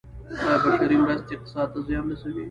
آیا بشري مرستې اقتصاد ته زیان رسوي؟